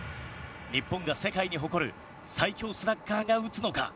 日本が世界に誇る最強スラッガーが打つのか？